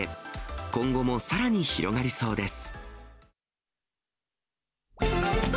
今後もさらに広がりそうです。